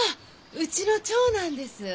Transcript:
うちの長男です。